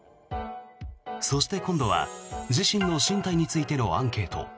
そして、今度は自身の進退についてのアンケート。